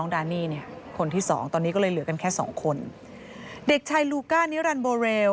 เด็กชายลูกอ่านิเรอล์โบเรล